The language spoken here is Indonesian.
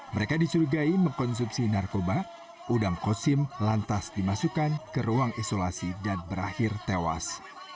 mereka dicurigai mengkonsumsi narkoba udang kosim lantas dimasukkan ke ruang isolasi dan berakhir tewas